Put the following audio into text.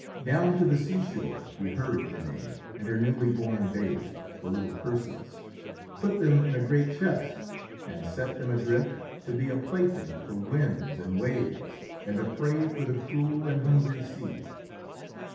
Down to the seashore he hurried Danaë and her newly born babe, the little Perseus, put them in a great chest, and set them adrift to be a plaything for winds and waves and a prey for the cruel and hungry sea.